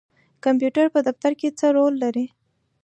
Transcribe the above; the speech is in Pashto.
کمپیوټر په دفتر کې څه رول لري؟